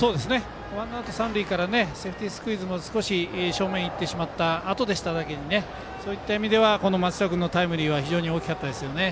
ワンアウト三塁からセーフティースクイズも少し正面にいってしまったあとだっただけにそういった意味では松下君のタイムリーは大きかったですよね。